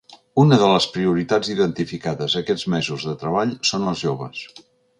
Una de les prioritats identificades aquests mesos de treball són els joves.